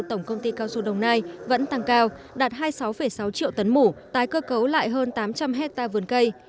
tổng công ty cao su đồng nai vẫn tăng cao đạt hai mươi sáu sáu triệu tấn mũ tái cơ cấu lại hơn tám trăm linh hectare vườn cây